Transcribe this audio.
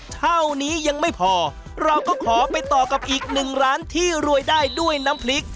เท่านี้ยังไม่พอเราก็ขอไปต่อกับอีกหนึ่งร้านที่รวยได้ด้วยน้ำพริก